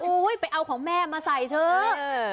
ไปเอาของแม่มาใส่เถอะ